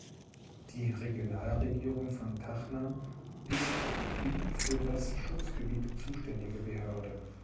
Die Regionalregierung von Tacna ist die für das Schutzgebiet zuständige Behörde.